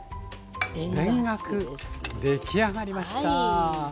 出来上がりました。